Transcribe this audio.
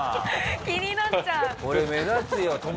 気になっちゃう。